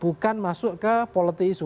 bukan masuk ke politik isu